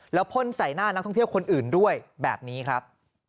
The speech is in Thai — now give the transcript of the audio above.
แล้วพ่นใส่หน้านักท่องเที่ยวคนอื่นด้วยแบบนี้ครับ